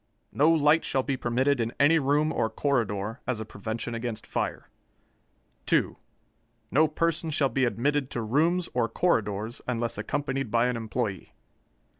No light shall be permitted in any room or corridor, as a prevention against fire. 2. No person shall be admitted to rooms or corridors unless accompanied by an employee.